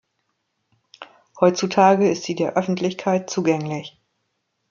Heutzutage ist sie der Öffentlichkeit zugänglich.